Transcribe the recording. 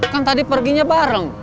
kan tadi perginya bareng